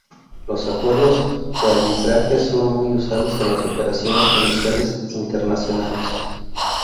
Los acuerdos de arbitraje son muy usados en las operaciones comerciales internacionales.